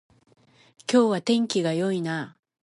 今日は天気が良いなあ